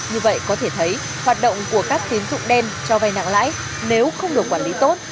như vậy có thể thấy hoạt động của các tín dụng đen cho vay nặng lãi nếu không được quản lý tốt